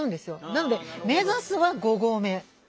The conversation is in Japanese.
なので目指すは５合目。